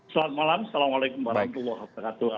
selamat malam assalamualaikum wr wb